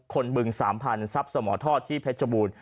คนบึงสามพันธุ์ซับสมอทที่เพชรวูล